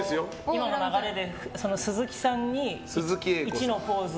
今の流れで、鈴木さんに１のポーズ。